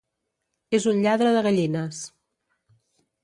És un lladre de gallines.